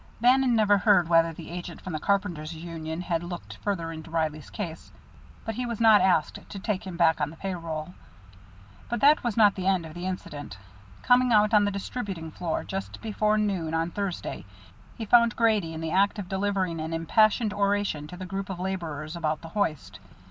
Bannon never heard whether the agent from the carpenters' union had looked further into Reilly's case, but he was not asked to take him back on the pay roll. But that was not the end of the incident. Coming out on the distributing floor just before noon on Thursday, he found Grady in the act of delivering an impassioned oration to the group of laborers about the hoist.